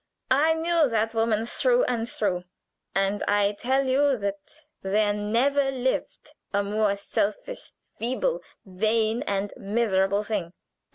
I knew that woman through and through, and I tell you that there never lived a more selfish, feeble, vain, and miserable thing.